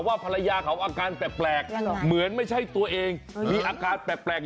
ว่าภรรยาเขาอาการแปลก